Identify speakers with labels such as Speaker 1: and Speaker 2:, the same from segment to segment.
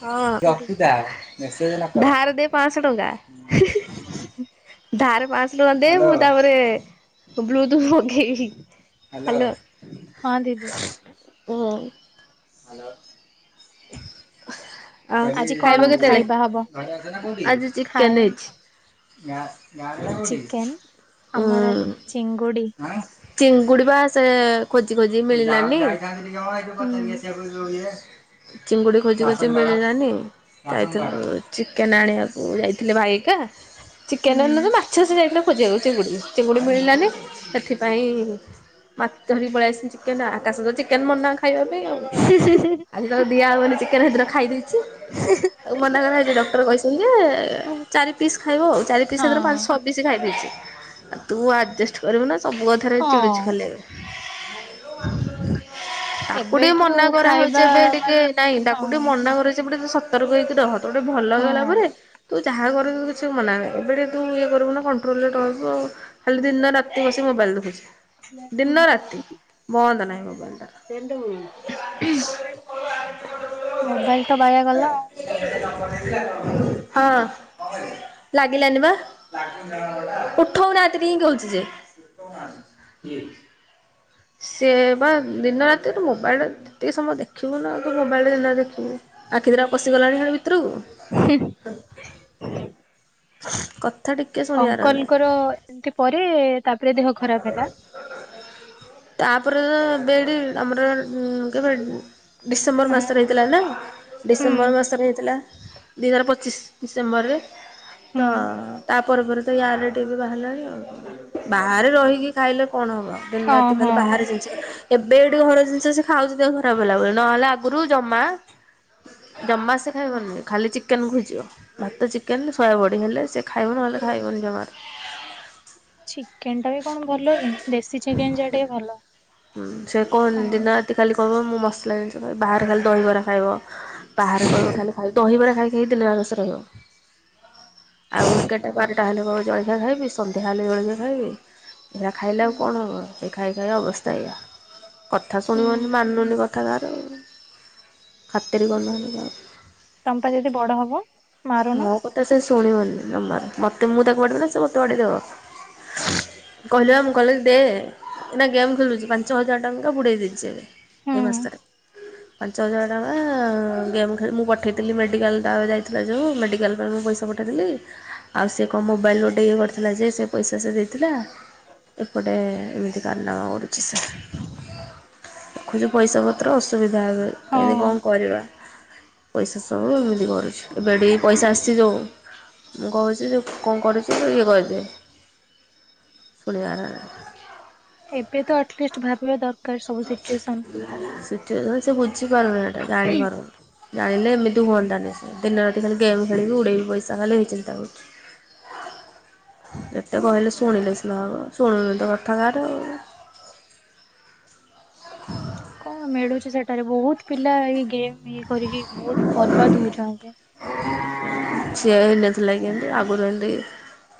Speaker 1: ହଁ।
Speaker 2: ଦିଦି।
Speaker 1: ଧାର ଦେ ପାଁଶହ ଟଙ୍କା, ଧାର ପାଁଶ ଟଆଁ ଦେ, ମୁଁ ତା'ପରେ ବ୍ଲୁତୁ ମଗେଇବି। ହାଲୋ
Speaker 2: ହଁ ଦିଦି
Speaker 1: ହୁଁ। [inaudible] ଆ
Speaker 2: ଆଜି କଣ
Speaker 1: ଖାଇବ କେତେଳେ?
Speaker 2: ଖାଇବା ହବ?
Speaker 1: ଆଜି
Speaker 2: ଖାଏ
Speaker 1: ଚିକେନ୍ ହେଇଛି। ଉଁ। ଚିଙ୍ଗୁଡି
Speaker 2: ଚିକେନ। ଆମର ଆଜି ଚିଙ୍ଗୁଡି।
Speaker 1: ପା ସେ ଖୋଜି ଖୋଜି ମିଳିଲାନି।
Speaker 2: ହୁଁ।
Speaker 1: ଚିଙ୍ଗୁଡି ଖୋଜି ଖୋଜି ମିଳିଲାନି। ଯାଇଥିଲୁ ଚିକେନ୍ ଆଣିଆକୁ ଯାଇଥିଲେ ଭାଇହେକା।
Speaker 2: ହୁଁ
Speaker 1: ଚିକେନ୍ ଆଣି ନଥାନ୍ତା। ଛି ସେ ଯାଇଥିଲେ ଖୋଜିବାକୁ ଚିଙ୍ଗୁଡ଼ିକୁ, ଚିଙ୍ଗୁଡ଼ି ମିଳିଲାନି ହେଥିପାଇଁ ମାଛ ଧରିକି ପଳେଇ ଆସିିଚନି ଚିକେନ। ଆ-ଆକାଶ ତ ଚିକେନ୍ ମନା ଖାଇବା ପାଇଁ ଆଉ।
Speaker 2: ହୁଁ ହୁଁ ହୁଁ ହୁ
Speaker 1: ଆଜିି ତତେ ଦିଆ ହବନି ଚିକେନ୍, ହେଦିନ ଖାଇ ଦେଇ ପିସି, ଆଉ ମନାକରା ହେଇଛି, ଡକ୍ଟର କହିସନ୍ତି ଯେ-ଏ ଚାରି ପିସ୍ ଖାଇବ ଆଉ ଚାରି ସେ ସେଦିନ ପାଞ୍ଚ,
Speaker 2: ହଁ
Speaker 1: ଛଅ ପିସି ଖାଇ ଦେଇଛି, ଆଉ ତୁ ଆଡ଼ଜେଷ୍ଟ କରିବୁ ନା, ସବୁ କଥାରେ ଚିଡୁଚି
Speaker 2: ହଁ
Speaker 1: ଖାଲି ଏବେ। ତାକୁ ଟିକେ
Speaker 2: ଏବେଠୁ
Speaker 1: ମନା କରା ହଉ
Speaker 2: ଖାଇବା
Speaker 1: ଯେବେ ଟିକେ
Speaker 2: ମାନେ
Speaker 1: ନାଇଁ,
Speaker 2: ହଁ
Speaker 1: ତାକୁ ଟିକେ ମନା କରିଛି, ସେପଟେ ସତର୍କ ହେଇକି ରହ ତ ଗୋଟେ ଭଲ ହେଇଗଲା
Speaker 2: ହଁ
Speaker 1: ପରେ ତୁ ଯାହା କରୁ କିଛି ମନା ନାହିଁ, ଏବେଡେ ତୁ ଇଏ କରବୁ ନା କଣ୍ଟ୍ରୋଲରେ ରହିବୁ ଆଉ। ଖାଲି ଦିନ ରାତି ବସି ମୋବାଇଲ୍ ଦେଖୁଛି। ଦିନ ରାତି ବନ୍ଦ ନାହିଁ ମୋବାଇଲ୍ ଟା।
Speaker 2: [unintelligible]
Speaker 1: [inaudible]
Speaker 2: ମୋବାଇଲ୍ ତ ବାୟା ଗଲା ଆଉ।
Speaker 1: ହଁ। ଲାଗିଲାନି ବା, ଉଠଉନାହାଁନ୍ତି ରିଙ୍ଗ୍ ହଉଚି ଯେ। ଓମାନ୍, କିଏ? ସିଏ ବା ଦିନ ରାତି ଟେ ମୋବାଇଲ୍ ଯେତିକି ସମୟ ଦେଖିବୁ ନା, ତୁ ମୋବାଇଲରେ ଦିନରେ ଦେଖିବୁ। ଆଖି ଦିଟା ପଶିଗଲାଣି ହେଣେ ଭିତୁରୁକୁ, କଥ୍
Speaker 2: ଅଙ୍କଲଙ୍କର ଏମତି ପରେ ତା'ପରେ ଦେହ ଖରାପ ହେଲା।
Speaker 1: ତା'ପରେ ତ ଦେଡ଼ି ଆମର କେବେ, ଡିସେମ୍ବର
Speaker 2: ନା
Speaker 1: ମାସରେ ହେଇ ଥିଲା ନା,
Speaker 2: ହୁଁ
Speaker 1: ଡିସେମ୍ବର ମାସରେ ହେଇଥିଲା। ଦି ହଜାର ପଚିଶ୍ ଡିସେମ୍ବରରେ। ତ,
Speaker 2: ହୁଁ
Speaker 1: ତା' ପରେ ପରେ ତ ୟାର ଟିବି ବାହାରିଲାଣି ଆଉ। ବାହାରେ ରହିକି ଖାଇଲେ କଣ ହବ? ଦିନ
Speaker 2: ହଁ,
Speaker 1: ରାତି ଖାଲି
Speaker 2: ହଁ।
Speaker 1: ବାହାରେ ଏବେ ଏଠି ଘର ଜିନିଷ ସେ ଖାଉଛି, ଦେହ ଖରାପ ହେଲା ବୋଲି, ନହେଲେ ଆଗରୁ ଜମା ଜମା ସେ
Speaker 2: ହୁଁ।
Speaker 1: ଖାଇବନି ଖାଲି ଚିକେନ୍ ଖୁଜିବ। ଭାତ ଚିକେନ୍ ସୋୟାବଡ଼ି ହେଲେ ସେ ଖାଇବ। ନହେଲେ ଖାଇବନି ଜମାରୁ।
Speaker 2: ଚିକେନ୍ ଟା ବି କଣ ଭଲ କି? ଦେଶୀ ଚିକେନ୍ ଯା ଟିକେ ଭଲ।
Speaker 1: ହୁଁ, ସେ କହୁନ୍
Speaker 2: ହଁ।
Speaker 1: ଦିନ ରାତି ଖାଲି କହିବ, ମୁଁ ମସଲା ଜିନିଷ ଖାଇ, ବାହାରେ ଖାଲି ଦହିିବରା ଖାଇବ। ବାହାରେ କହିବ ଖାଲି ଖାଇ, ଦହିବାର ଖାଇ ଖାଇ ଦିନରାରସ ରହିବ। ଆଉ, ଏଗାରଟା ବାରଟା ହେଲେ କହିବ ଜଳଖିଆ ଖାଇବି। ସନ୍ଧ୍ୟା ହେଲେ ଜଳଖିଆ ଖାଇବି ଏରା ଖାଇଲେ ଆଉ କଣ ହେବ ସେଇ ଖାଇ ଖାଇ ଅବସ୍ଥା ଏୟା। କଥା
Speaker 2: ହୁଁ
Speaker 1: ଶୁଣିବନି, ମାନୁନି କଥା କାହାର। ଖାତିର କରୁ ନାହାଁନ୍ତି କାହାକୁ।
Speaker 2: ତମ ପା ଦିଦି ବଡ ହବ? ମାରୁନ
Speaker 1: ମୋ କଥା ସେ ଶୁଣିବନି ଜମା ମତେ ମୁଁ ତାକୁ ବାଡେଇବି ନା ସେ ମୋତେ ବାଡେଇଦବ। କହିଲେ ମୁଁ କହିଲେ କି ଦେ ନା ଗେମ୍ ଖେଳୁଛି ପାଞ୍ଚ ହଜାର ଟଙ୍କା ବୁଡେଇ ଦେଇଛି ଏବେ।
Speaker 2: ହୁଁ
Speaker 1: ଏ ମାସରେ ପାଞ୍ଚ ହଜାର ଟଙ୍କା ଗେମ୍ ଖେ ମୁଁ ପଠେଇଥିଲି ମେଡିକାଲ ଟା ଯାଇ ଥିଲା ଯେଉଁ ମେଡ଼ିକାଲ ଯୋଉ ମେଡିକାଲ ପାଇଁ ମୁଁ ପଇସା ପଠେଇଥିଲେ। ଆଉ ସେକଣ ମୋବାଇଲ ଗୋଟେ ଇଏ କରିଥିଲା ଯେ ସେପଇସା ସରି ଯାଇଥିଲା। ଏପଟେ ଏମିତି କାରନାମା କରୁଚି ସେ ଦେଖୁଚୁ ପଇସା ପତ୍ର ଅସୁବିଧା ହେବେ
Speaker 2: ହଁ
Speaker 1: କେମିତି କଣ କରିବା ପଇସା ସବୁ ଏମିତି କରୁଛୁ। ଏବେ ଏଇଟି ପଇସା ଅସିଛି ଯୋଉ ମୁଁ କହୁଚି କଣ କରୁଛୁ ଇଏ କରିଦିଏ। ଶୁଣିଆରା
Speaker 2: ଏବେ ତ ଆଟିଲିଷ୍ଟ ଭାବିବା ଦର
Speaker 1: ସିଚୁଏସନ୍ ସେ ବୁଝିପାରୁନି ହେଇଟା ଜାଣିପାରୁନି। ଜାଣିଲେ ଏମିତି ହୁଅନ୍ତାନି ସେ ଦିନ ରାତି ଖାଲି ଗେମ୍ ଖେଳିବି ଉଡେଇ ବି ପଇସା ଖାଲେ ହେଇ ଚିନ୍ତା କରୁଛି। ଯେତେ କହିଲେ ଶୁଣିଲେ ସିନା ହବ ଶୁଣିନୁ ତ କଥା କାର ଆଉ। ହୁଁ
Speaker 2: କଣ ମିଳୁଛି ସେଠାରେ ବହୁତ ପିଲା ଏଇ ଗେମ୍ ଇ କରିକି ବହୁତ ବର୍ବାଦ ହଉଛନ୍ତି।
Speaker 1: ଛିଏ ହେଇନଥିଲା କି ଏମିତି ଆଗରୁ ହେମିତୀ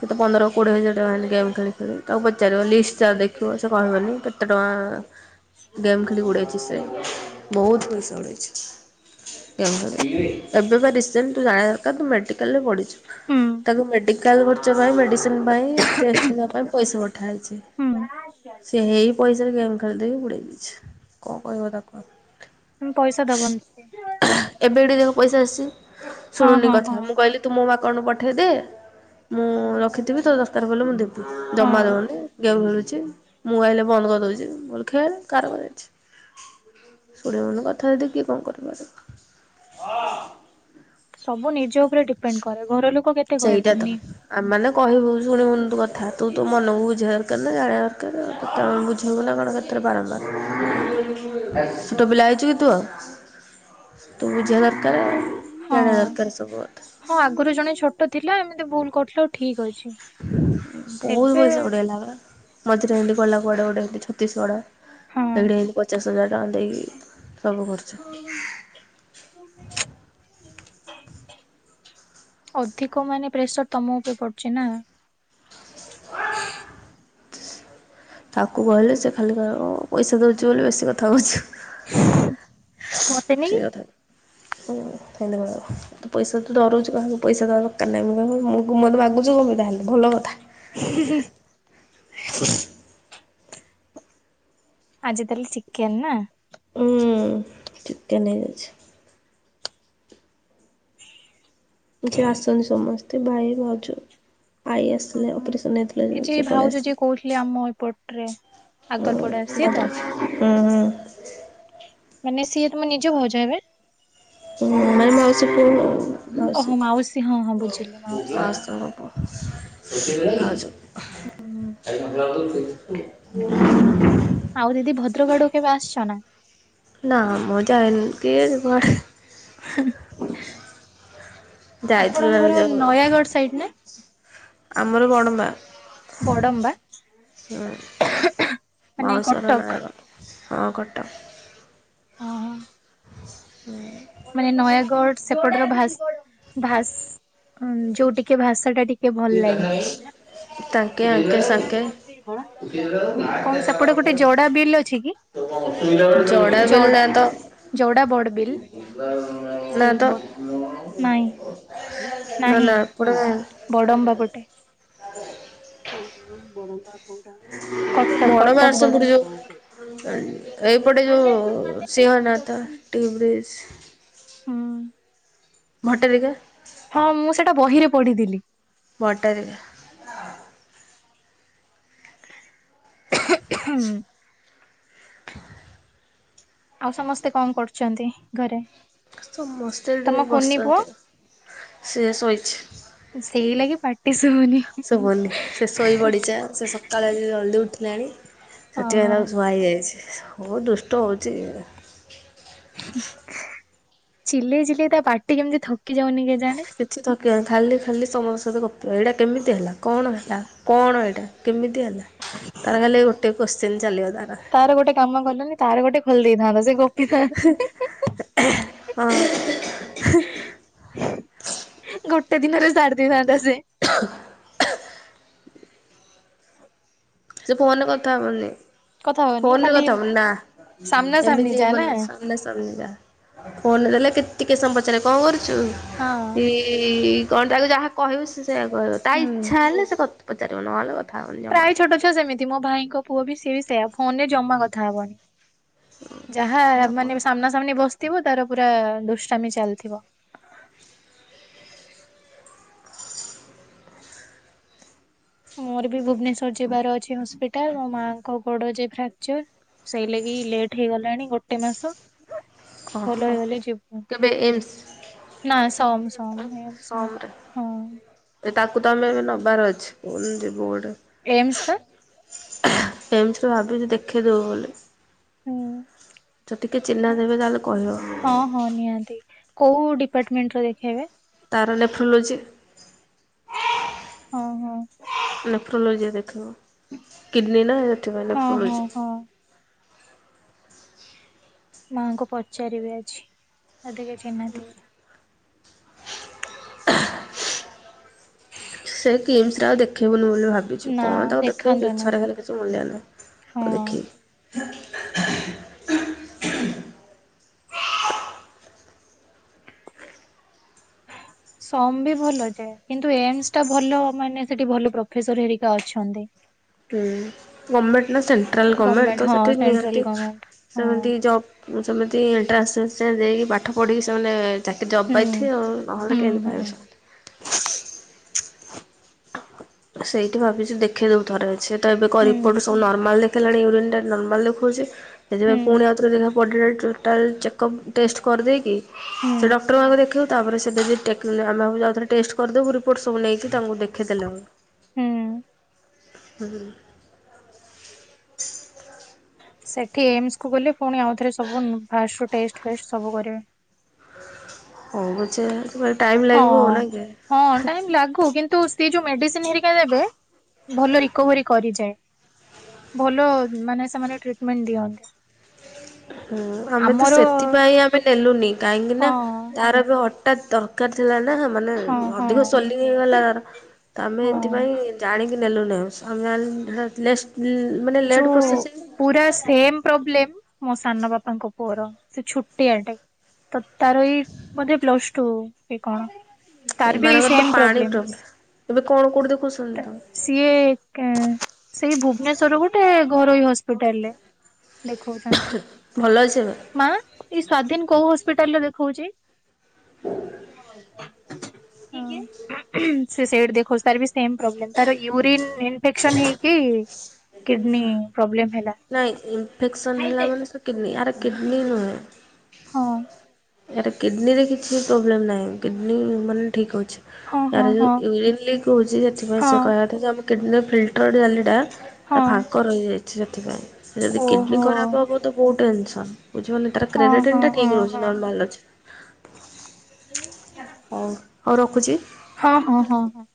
Speaker 1: କେତେ ପନ୍ଦର କୋଡିଏ ହଜାର ଟଙ୍କା ହେନ୍ତି ଗେମ୍ ଖେଳି ଖେଳି ତାକୁ ପଚାରିବ ଲିଷ୍ଟ ଟା ଦେଖିବ। ସେ କହିବନି କେତେ ଟଙ୍କା ଗେମ୍ ଖେଳିକି ଉଡେଇଛି ସେ ବହୁତୁ ପଇସା ଉଡ଼େଇଛି ଏବେ ବା ରିସେଣ୍ଟ ତୁ ଜାଣିବା ଦ ତୁ ମେଡିକାଲ ରେ ପଢଛୁ
Speaker 2: ହୁଁ
Speaker 1: ତାକୁ ମେଡିକାଲ ଖର୍ଚ୍ଚ ପାଇଁ ମେ ମେଡିସିନି ପାଇଁ ଟେଷ୍ଟ ହେବ ପାଇଁ ପଇସା ପଠା ହେଇଛି ସେ ହେଇ ପଇ ସଜରେ ରେ ଗେମ ଖେଳି ଦେଇ ଉଡେଇଦେଇଛି କଣ କହିବ ତାକୁ
Speaker 2: ହୁଁ ପଇସା ଦବନି
Speaker 1: ଏବେ ଏଇଠି ଦେଖ ପଇସା ଆସିଛି
Speaker 2: ହଁ
Speaker 1: ଶୁଣୁନି
Speaker 2: ହଁ
Speaker 1: କ
Speaker 2: ହଁ।
Speaker 1: ମୁଁ କହିଲି ତୁ ମୋ ଆକାଉଣ୍ଟ କୁ ପଠାଇଦେ ମୁଁ ରଖିଥିବି ତୋ ଦରକାର୍ ପଡ଼ିଲେ ମୁଁ ଦେବୀ। ଜମା
Speaker 2: ହଁ
Speaker 1: ଦଉନି ଗେମ୍ ଖେଳୁଛି। ମୁଁ ଆଇଲେ ବନ୍ଦ କରିଦଉଛି ମୁଁ କହିଲି ଖେଳେ କରା କଣ ଯାଇଛି। ଶୁଣବନି କଥା ଯଦି କିଏ କଣ କରିପାରିବ।
Speaker 2: ସବୁ ନିଜ ଉପରେ ଡିପେଣ୍ଡ କରେ ଘର ଲୋକ କେ
Speaker 1: ସେଇଟା ତ। ଆମେ ମାନେ କହିବୁ ଶୁଣିବୁନି ତୁ କଥା ତୁ ତୋ ମନକୁ ବୁଝେଇବା ଦରକାର ନା ଜାଣିବା ଦରକାର ଆ ଏତେ କଣ ବୁଝେଇବୁ ନା କଣ କେତେରେ ବାରମ୍ବାର ଛୋଟ ପିଲା ହେଇଛି କି ତୁ ଆଉ। ତୁ ବୁଝିବା ଦରକାର
Speaker 2: ହଁ।
Speaker 1: ଜାଣିବା ଦରକାର ସବୁ କଥା।
Speaker 2: ହଁ ଆଗରୁ ଜଣେ ଛୋଟ ଥିଲା ଏମିତି ଭୁଲ କରୁଥିଲେ ହଉ ଠିକ ଅଛି।
Speaker 1: ବହୁତ
Speaker 2: ଏବେ
Speaker 1: ପଇସା ଉଡେଇଲା ବା ମଝିରେ ହେମୀତି ପଳେଇଲା କୁଆଡେ ଗୋଟେ ଏ ଛତିଶଗଡ
Speaker 2: ହଁ
Speaker 1: ହେଇଠି ହେମିତି ପଚାଶ ହଜାର ଟଙ୍କା ଦେଇକି ସବୁ କରିଚି।
Speaker 2: ଅଧିକ ମାନେ ପ୍ରେସର ତମ ଉପରେ ପଡୁଛି ନା।
Speaker 1: ତାକୁ କହିଲେ ସେ ଖାଲି କହିବ ପଇସା ଦେଉଛି ବୋଲି ବେଶୀ କଥା କହୁଛୁ।
Speaker 2: କୁହନ୍ତିନି କି
Speaker 1: ସେଇ କଥା ହୁଁ ଧନ୍ୟବାଦ। ତ ପଇସା ତ ଡରଉଛୁ କାହାକୁ ପଇସା ଦରକାର ନାହିଁ ମୁଁ [inaudible] ମୋତେ ମାଗୁଛୁ ତା ହେଲେ କଣ ପାଇଁ ଭଲ କଥା।
Speaker 2: [unintelligible] ଆଜି ତାହେଲେ ଚିକେନ ନା।
Speaker 1: ଉ ଚିକେନ ହେଇଯାଇଛି। ଯେ ଆସିଛନ୍ତି ସମସ୍ତେ ଭାଇ ଭାଉଜ ଆଈ
Speaker 2: ହୁଁ
Speaker 1: ଆସିଥିଲେ
Speaker 2: ହୁଁ
Speaker 1: ଅପରେସନ ହେଥେ
Speaker 2: ଏ ଯେ ଭାଉଜ ଯିଏ କହୁଥିଲେ ଆମ ଏପଟରେ ଆଗର ପଡା
Speaker 1: ହୁଁ
Speaker 2: ସିଏ ତ?
Speaker 1: ତାପରେ ହୁଁ ହୁଁ।
Speaker 2: ମାନେ ସିଏ ତମ ନିଜ ଭାଉଜ ହେବ?
Speaker 1: ନାଇଁ ମାଉସି ପୁଆ ଭାଇ ମାଉସି
Speaker 2: ଓହୋ ମାଉସୀ ହଁ ହଁ ବୁଝିଲି
Speaker 1: ପୁଅ
Speaker 2: ମାଉସୀ କଣ?
Speaker 1: ମାଉସୀଙ୍କ
Speaker 2: ହୁଁ।
Speaker 1: ପୁଅ। [unintelligible] ହ [unintelligible]
Speaker 2: ଆଉ ଦିଦି ଭଦ୍ରକଡୁ କେବେ ଆସଛ ନା?
Speaker 1: ନ ମଜାାଇନ କେ ଜିବ ହାରି। ଯାଇଥିଲୁ
Speaker 2: ଆପଣଙ୍କ
Speaker 1: ଆମେ
Speaker 2: ଘର
Speaker 1: ଯୋଉ
Speaker 2: ନୟାଗଡ ସାଇଡ ନାଇଁ।
Speaker 1: ଆମର ବଡ଼ ମା।
Speaker 2: ବଡମ୍ବା?
Speaker 1: ହୁଁ
Speaker 2: ମାନେ
Speaker 1: ମାଉସର
Speaker 2: କଟକ
Speaker 1: ଘର ନୟଗଡ଼। ହଁ କଟକ।
Speaker 2: ଓହୋ
Speaker 1: ହୁଁ।
Speaker 2: ମାନେ ନୟାଗଡ଼ ସେପଟର ଭାଷ୍ ଭାଷା ଯୋଉଟିକି ଭାଷା ଟା ଟିକେ ଏ ଭଲ ଲାଗେ
Speaker 1: ତାଙ୍କେ ଆଙ୍କେ ସାଙ୍କେ
Speaker 2: କଣ ସେପଟେ ଗୋଟେ ଯୋଡା ବିଲ୍ ଅଛି କି?
Speaker 1: ଯଡ଼ା ବିଲ ନା ତ
Speaker 2: କଡ଼ା ବଡ଼ ବିଲ୍‌।
Speaker 1: ଏ [unintelligible]
Speaker 2: ସେ ବ ନାଇଁ ନାହିଁ ବଡମ୍ବା ପଟେ।
Speaker 1: ଆ [unintelligible]
Speaker 2: କଟ
Speaker 1: ବଡ଼
Speaker 2: କଟକ ବଡ
Speaker 1: ମାର୍ସପୁର ଯୋଉ
Speaker 2: ମ
Speaker 1: ଏଇପଟେ ଯଉ ସିଂହ ନାଥା ଟିବ୍ରିଜ।
Speaker 2: ହୁଁ
Speaker 1: ଭଟ୍ଟାରିକା
Speaker 2: ହଁ ମୁଁ ସେଟା ବହିରେ ପଢିଥିଲି।
Speaker 1: ଭଟ୍ଟାରିକା।
Speaker 2: ହୁଁ ହଁ।
Speaker 1: ହଁ।
Speaker 2: ଆଉ ସମସ୍ତେ କଣ କରୁଛନ୍ତି ଘରେ?
Speaker 1: ସମସ୍ତେ ଏଟ
Speaker 2: ତମ କୁନି ପୁଅ
Speaker 1: ବସିଚନ୍ତି। ସେଏ
Speaker 2: ସେଇ
Speaker 1: ଶୋଇଛି
Speaker 2: ଲାଗି ପାଟି ଶୁଭୁନି
Speaker 1: ଗୁବୁନି ସେ ଶୋଇପଡ଼ିଚା ସେ ସକାଳେ ଜଲ୍ଦି ଉଠିଲାଣି ସେଥିପାଇଁ
Speaker 2: ଓହୋ।
Speaker 1: ତାକୁ ଶୁଆ ହେଇଯାଇଛି। ବହୁତ ଦୁଷ୍ଟ ହଉଛି।
Speaker 2: ଚିଲେଇ ଚିଲେଇ ତା ପାଟି କେମିତି ଥକି ଯାଉନି କେ ଜାଣେ।
Speaker 1: କିଛି ଥକିବ ନାହିି ଖାଲି ଖାଲି ସମଙ୍କ ସହିତ ଗପ ଏଇଟା କେମିତି ହେଲା ହେଲା କଣ ଏଇଟା କେମିତି ହେଲା। ତାର ଖାଲେ ଗୋଟେ କୋଶ୍ଚିିନ ଚାଲିବ ତାର।
Speaker 2: ତାର ଗୋଟେ କାମ କଲନି ତାର ଗୋଟେ ଖୋଲି ଦେଇଥାନ୍ତ ସେ ଗପୀଥାନ୍ତ।
Speaker 1: ହଁ [unintelligible]
Speaker 2: ଗୋଟେ ଦିନରେ ଛାଡି ଦେଇଥାନ୍ତା ସେ
Speaker 1: ହ [unintelligible] ସେ ଫୋନରେ କଥା ହବନି
Speaker 2: କଥା ହବନି
Speaker 1: ଫୋନ ରେ
Speaker 2: ଖାଲି
Speaker 1: କଥା ହବନି ନା
Speaker 2: ସାମ୍ନା ସାମ୍ନି
Speaker 1: ଏମିତି
Speaker 2: ଯା ନା
Speaker 1: ମନଇଛା। ମାନେ ସମଞ୍ଜା ଫୋନ ଦେଲେ କେିକେ ସମ ପଚାରେ କଣ କରୁଚୁ।
Speaker 2: ହଁ
Speaker 1: ଏଇ କଣ ତାକୁ ଯାହା କହିବୁ ସେ ସେୟଆ କହିବ ତା
Speaker 2: ହୁଁ।
Speaker 1: ଇଚ୍ଛା ହେଲେ ସେ ପଚାରିବ ନହେଲେ ହବନି ଜମା
Speaker 2: ପ୍ରାୟ ଛୋଟ ଛୁଆ ସେମିତି ମୋ ଭାଇଙ୍କ ପୁଅ ବି ସେିଏ ବି ସେଇଆା ଫୋନ ରେ ଜମା କଥା ହବନି। ଯାହା
Speaker 1: ଜମା
Speaker 2: ମାନେ
Speaker 1: କଥା
Speaker 2: ସାମ୍ନା ସାମ୍ନି ବସିଥିବ ତାର ପୁରା ଦୁଷ୍ଟାମି ଚାଲିଥିବ। ମୋର ବି ଭୁବନେଶ୍ଵର ଯିବାର ଅଛି ହସ୍ପିଟାଲ ମୋ ମାଙ୍କ ଗୋଡ ଯେ ଫ୍ରାକ୍ଚର। ସେଇ ଲାଗି ଲେଟ୍ ହେଇଗଲାଣି ଗୋଟେ ମାସ। ଭଲ
Speaker 1: ଓହୋ
Speaker 2: ହେଇଗଲେ ଯିବୁ।
Speaker 1: କେବେ ଏମ୍ସ
Speaker 2: ନାଁ ସମ୍ ସମ୍ ଏ ନାଁ ହଁ।
Speaker 1: ଏ ତାକୁ ତାମେ ବି ନବାର ଅଛି ପୁଣି ଯିବୁ ଗୋଟେ।
Speaker 2: ଏମସ୍ ବା।
Speaker 1: ଏମସ୍ ରେ ଭାବୁଛି ଦେଖେଇ ଦବୁ ବୋଲି।
Speaker 2: ହୁଁ।
Speaker 1: ଯଦି କିଏ ଚିହ୍ନା ଥିବେ ତାହେଲେ କହିବ?
Speaker 2: ହଁ ହଁ ନିହାତି କୋଉ ଡିପାର୍ଟମେଣ୍ଟ ର ଦେଖେଇବେ?
Speaker 1: ତାର ନେଫ୍ରୋଲୋଜି।
Speaker 2: ହଁ ହଁ।
Speaker 1: ନେଫ୍ରୋଲୋଜି ଦେଖିବ କିଡ଼ନୀ ନାଁ ସେଥିପାଇଁ
Speaker 2: ହଁ ହଁ
Speaker 1: ନେଫ୍ରୋଲୋଜି।
Speaker 2: ହଁ ମା ଙ୍କୁ ପଚାରିବି ଆଜି ଯଦି କିଏ ଚିହ୍ନାଥିବେ।
Speaker 1: ସେ କିମ୍ସରେ ଆଉ ଦେଖେଇବୁନୁ ବୋଲି ଭାବିଛୁ
Speaker 2: ନା
Speaker 1: କଣ ତାକୁ ଦେଖେଇବି
Speaker 2: ଦେଖାନ୍ତୁନି
Speaker 1: ଇଚ୍ଛା ରହିଲେ କିଛି ମୂଲ୍ୟ ନାହିଁ। ଆଉ
Speaker 2: ହଁ।
Speaker 1: ଦେଖିବି।
Speaker 2: ସମ୍ ବି ଭଲ ଯେ କିନ୍ତୁ ଏମସ୍ ଟା ଭଲ ମାନେ ସେଠି ଭଲ ପ୍ରଫେସର୍ ହେରିକା ଅଛନ୍ତି।
Speaker 1: ହୁଁ ଗଭର୍ଣ୍ଣମେଣ୍ଟ ନାଁ ସେଣ୍ଟ୍ରାଲ ଗଭର୍ଣ୍ଣମେଣ୍ଟ
Speaker 2: ଗମେଣ୍ଟ
Speaker 1: ତ
Speaker 2: ହଁ
Speaker 1: ସେଠି
Speaker 2: ସେଣ୍ଟ୍ରାଲ
Speaker 1: ନିହାତି
Speaker 2: ଗମେଣ୍ଟ ହଁ
Speaker 1: ସେମିତି ଜବ୍ ଉଁ ସେମିତି ଏଣ୍ଟ୍ରାନ୍ସ୍ ଫେଣ୍ଟ୍ରାନ୍ସ୍ ଦେଇକି ପାଠ ପଢ଼ିକି ସେମାନେ ଚାକିରି ଜବ୍
Speaker 2: ହୁଁ
Speaker 1: ପାଇଥିବେ ଆଉ ନହେଲେ
Speaker 2: ହୁଁ
Speaker 1: କେମିତି
Speaker 2: ହୁଁ।
Speaker 1: ପାଇବେ ସବୁ। ସେଇଠି ଭାବିଛି ଦେଖେଇ ଦବୁ ଥରେ ହଉଛି ସେଇଟା ଏବେ କରି
Speaker 2: ହୁଁ
Speaker 1: ରିପୋର୍ଟ୍ ସବୁ ନର୍ମାଲ୍ ରେ ଦେଖେଇଲାଣି ୟୁରିନ୍ ଟା ନର୍ମାଲ୍ ଦେଖଉଛି ସେଥିପାଇଁ
Speaker 2: ହୁଁ
Speaker 1: ପୁଣି ଆଉଥରେ ଦେଖାହବ। ବଡ଼ିରେ ଟୋଟାଲ୍ ଚେକ୍ ଅପ୍ ଟେଷ୍ଟ୍ କରିଦେଇକି
Speaker 2: ହୁଁ
Speaker 1: ସେ ଡକ୍ଟରଙ୍କୁ ଆଗ ଦେଖେଇବୁ ତାପରେ ସେ ଯଦି ଟେ ତାହେଲେ ଆମେ ଆଉ ଥରେ ଟେଷ୍ଟ୍ କରିଦବୁ ରିପୋର୍ଟ ସବୁ ନେଇକି ତାଙ୍କୁ ଦେଖେଇ ଦେଲେ ହବ।
Speaker 2: ହୁଁ।
Speaker 1: ହୁଁ।
Speaker 2: ସେଠି ଏମସ୍ କୁୁ ଗଲେ ପୁଣି ଆଉଥରେ ସବୁ ଉଁ ଫାଷ୍ଟ୍ ରୁ ଟେଷ୍ଟ୍ ଫେଷ୍ଟ୍ ସବୁ କରିବେ।
Speaker 1: ହଉ ପଛେ ଏସବୁ ରେ ଟାଇମ୍
Speaker 2: ହଁ।
Speaker 1: ଲାଗିବ ଆଉ ନାଇଁ କି?
Speaker 2: ହଁ ଟାଇମ୍ ଲାଗୁ କିନ୍ତୁ ସେ ଯୋଉ ମେଡ଼ିସିନ୍ ହେରିକା ଦେବେ ଭଲ ରିକୋଭରି କରିଯାଏ। ଭଲ ମାନେ ସେମାନେ ଟ୍ରିଟମେଣ୍ଟ ଦିଅନ୍ତି।
Speaker 1: ହୁଁ ଆମେ ତ
Speaker 2: ଆମର
Speaker 1: ସେଥିପାଇଁ ଆମେ ନେଲୁନି କାହିଁକି ନାଁ
Speaker 2: ହଁ
Speaker 1: ତାର ଏବେ ହ ହଠାତ୍ ଦରକାର ଥିଲା ନାଁ ମାନେ
Speaker 2: ହଁ ହଁ।
Speaker 1: ଅଧିକ ସୋଲିଂ ହେଇଗଲା ତାର। ତ ଆମେ
Speaker 2: ହଁ
Speaker 1: ଏଥିପାଇଁ ଜାଣିକି ନେଲୁନୁ ଆମେ ସମସ୍ତେ ଜାଣିଲେ ଲେସ୍ ଲେ
Speaker 2: ଯୋଉ ପୁରା ସେମ୍ ପ୍ରୋବ୍ଲେମ୍ ମୋ ସାନ ବାପାଙ୍କ ପୁଅର ସେ ଛୋଟିଆ ଟେ। ତ ତାର ଏଇ ବୋଧେ ପ୍ଲସ୍ ଟୁ କି କଣ। ତାର ବି ଏଇ
Speaker 1: ଏଇମାନଙ୍କର ତ
Speaker 2: ସେମ୍
Speaker 1: ପାଣି
Speaker 2: ପ୍ରୋବ୍ଲେମ୍।
Speaker 1: ପ୍ରୋବ୍ଲେମ୍ ଏବେ କଣ କୋଉଠି ଦେଖୁଛନ୍ତି ତ।
Speaker 2: ସିଏ ଏକା ସେଇ ଭୁବନେଶ୍ଵରରେ ଗୋଟେ ଘରୋଇ ହସ୍ପିଟାଲରେ। ଦେଖଉଛନ୍ତି
Speaker 1: ଭଲ ଅଛି ଏବେ?
Speaker 2: ମା ଏଇ ସ୍ଵାଧୀନ କୋଉ ହସ୍ପିଟାଲ ରେ ଦେଖଉଛି? ହୁଁ। ସେ ସେଇଠି ଦେଖଉଛି ତାର ବି ସେମ୍ ପ୍ରୋବ୍ଲେମ୍ ତାର ୟୁରିନ୍ ଇନଫେକ୍ସନ୍ ହେଇକି କିଡନୀ ପ୍ରୋବ୍ଲେମ୍ ହେଲା।
Speaker 1: ନାଇଁ ଇନଫେକ୍ସନ୍ ହେଲା ମାନେ ସେ କିଡନୀ ଆର କିଡନୀ ନୁହେଁ।
Speaker 2: ହଁ
Speaker 1: ୟାର ତ କିଡ଼ନୀରେ କିଛି ପ୍ରୋବ୍ଲେମ୍ ନାହିଁ କିଡ଼ନୀ ମାନେ ଠିକ୍ ଅଛି।
Speaker 2: ହଁ ହଁ
Speaker 1: ତାର ଯୋଉ
Speaker 2: ହଁ
Speaker 1: ୟୁରିନ୍ ଲିକ୍ ହଉଛି ସେଥିପାଇଁ
Speaker 2: ହଁ
Speaker 1: ସେ କହିବା କଥା ଯେ ଆମ କିଡ଼ନୀ ଫିଲ୍ଟର୍ ଜାଲିଟା ତା
Speaker 2: ହଁ।
Speaker 1: ଫାଙ୍କ ରହିଯାଇଛି ସେଥିପାଇଁ ଯଦି
Speaker 2: ଓହୋ
Speaker 1: କିଡ଼ନୀ ଖରାପ
Speaker 2: ହଁ
Speaker 1: ହବ ତ ବହୁତ ଟେନସନ୍ ବୁଝି ପାରିଲେ। ତାର କ୍ରେଡେଟିନ
Speaker 2: ହଁ
Speaker 1: ଟା
Speaker 2: ହଁ
Speaker 1: ଠିକ ରହୁଛି
Speaker 2: ହଁ
Speaker 1: ନର୍ମାଲ ଅଛି ହଉ। ହଉ ରଖୁଛି।
Speaker 2: ହଁ ହଁ ହଁ ହଁ।